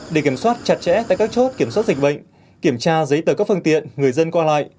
để kiểm soát chặt chẽ tại các chốt kiểm soát dịch bệnh kiểm tra giấy tờ các phương tiện người dân qua lại